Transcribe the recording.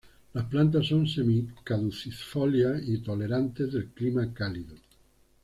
Las plantas son semi-caducifolias y tolerantes del clima cálido.